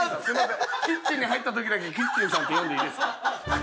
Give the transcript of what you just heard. キッチンに入った時だけキッチンさんって呼んでいいですか？